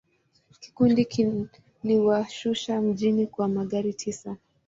Kikundi kiliwashusha mjini kwa magari tisa.